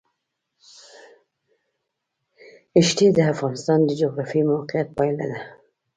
ښتې د افغانستان د جغرافیایي موقیعت پایله ده.